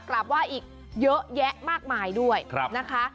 กราบไหว้อีกเยอะแยะมากมายด้วยนะคะ